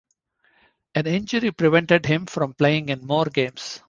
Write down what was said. An injury prevented him from playing in more games.